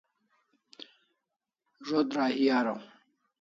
Zo't rahi araw